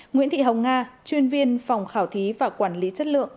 nguyễn thị hồng nga chuyên viên phòng khảo thí và quản lý chất lượng